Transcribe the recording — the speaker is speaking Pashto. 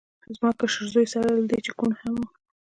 زما کشر زوی سره له دې چې کوڼ هم و